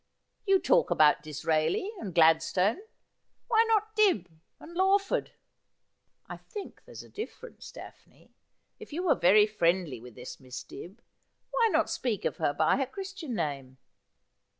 You talk about Disraeli and Gladstone ; why not Dibb and Lawford ?'' I think there's a difference. Daphne. If you were very friendly with this Miss Dibb, why not speak of her by her christian name